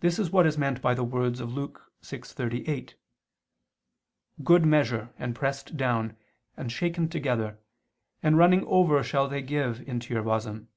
This is what is meant by the words of Luke 6:38: "Good measure and pressed down, and shaken together, and running over shall they give into your bosom."